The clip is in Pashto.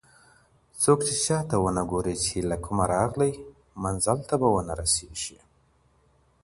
څوک چې شاته ونه ګوري چې له کومه راغلی، منزل ته به ونه رسېږي.